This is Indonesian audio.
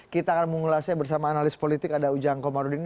kita akan mengulasnya bersama analis politik ada ujang komarudin